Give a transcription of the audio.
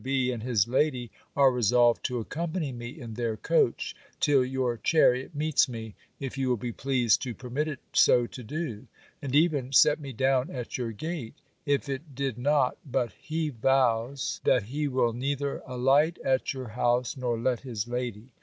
B. and his lady are resolved to accompany me in their coach, till your chariot meets me, if you will be pleased to permit it so to do; and even set me down at your gate, if it did not; but he vows, that he will neither alight at your house, nor let his lady.